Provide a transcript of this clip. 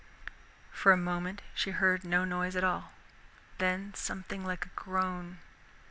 For a moment she heard no noise at all, then something like a groan.